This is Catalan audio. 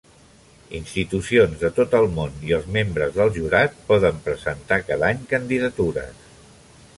Institucions de tot el món i els membres del jurat poden presentar cada any candidatures.